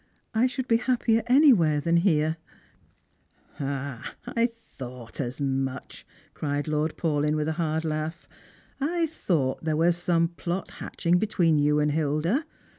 I should be happier anywhere than here." "I thought as much," cried Lord Paulyn, with a hard laugh. "I thought there was some plot hatching between you and Hilda.